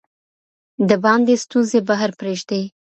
د باندې ستونزې بهر پریږدئ.